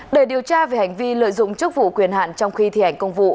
để điều tra về hành vi lợi dụng chức vụ quyền hạn trong khi thi hành công vụ